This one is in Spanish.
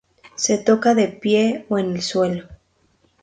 Se toca de pie o en el suelo.